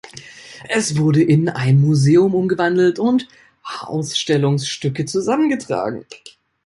Es wurde in ein Museum umgewandelt und Ausstellungsstücke zusammengetragen.